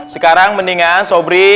sekarang mendingan sobri